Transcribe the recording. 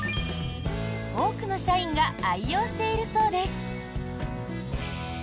多くの社員が愛用しているそうです。